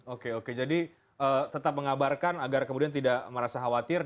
oke oke jadi tetap mengabarkan agar kemudian tidak merasa khawatir